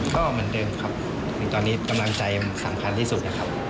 เก่ามาเดิมครับและตอนนี้กำลังใจสำคัญที่สุด